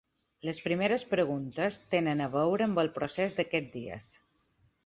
Les primeres preguntes tenen a veure amb el procés d’aquests dies.